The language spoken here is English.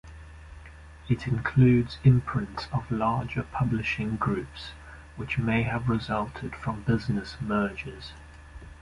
It includes imprints of larger publishing groups, which may have resulted from business mergers.